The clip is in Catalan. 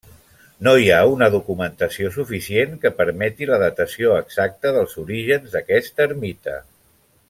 No hi ha una documentació suficient que permeti la datació exacta dels orígens d'aquesta ermita.